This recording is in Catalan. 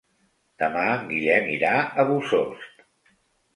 Demà en Guillem irà a Bossòst.